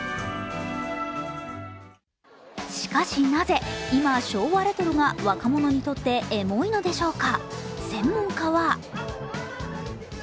しかし、なぜ今、昭和レトロが若者にとってエモいのでしょうか。